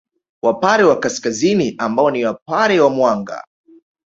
Wapare wa Kaskazini ambao ni Wapare wa Mwanga